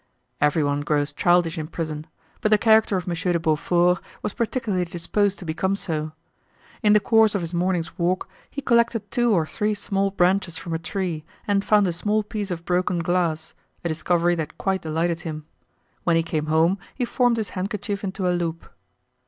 Every one grows childish in prison, but the character of Monsieur de Beaufort was particularly disposed to become so. In the course of his morning's walk he collected two or three small branches from a tree and found a small piece of broken glass, a discovery that quite delighted him. When he came home he formed his handkerchief into a loop.